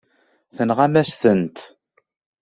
Tenɣamt-as-tent.